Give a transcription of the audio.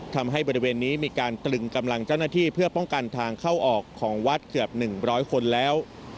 ทำให้บริเวณนี้มีการตรึงกำลังเจ้าหน้าที่เพื่อป้องกันทางเข้าออกของวัดเกือบ๑๐๐คนแล้ว